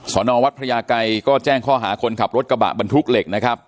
สนวัดพญาไกรก็แจ้งข้อหาคนขับรถกระบะบันทุกเหล็ก